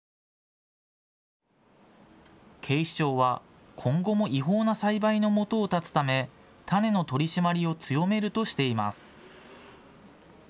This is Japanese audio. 警視庁は今後も違法な栽培の元を断つため種の取り締まりを強めるとしています。